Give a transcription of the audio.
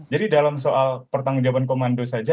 jadi dalam soal pertanggung jawaban komando saja